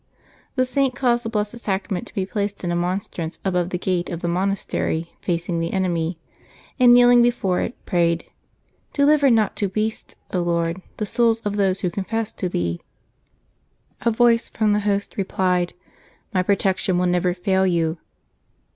The Saint caused the Blessed Sacrament to be placed in a monstrance, above the gate of the monastery facing the enemy, and kneeling before it, prayed, " Deliver not to beasts, Lord, the souls of those who confess to Thee." A voice from the Host replied, " My protection will never fail you."